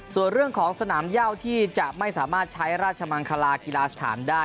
ส่วนเรื่องของสนามเย่าที่จะไม่สามารถใช้ราชมังคลากีฬาสถานได้